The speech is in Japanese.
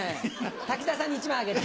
滝沢さんに１枚あげて。